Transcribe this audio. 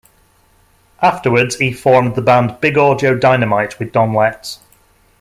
Afterwards, he formed the band Big Audio Dynamite with Don Letts.